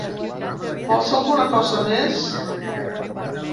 Vols alguna cosa més?